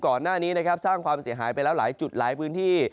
ก่อนหน้านี้นะครับสร้างความเสียหายไปแล้วหลายจุดหลายพื้นที่